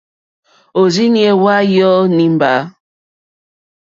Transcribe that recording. Òrzìɲɛ́ hwá yɔ̀ɔ̀ nìmbâ.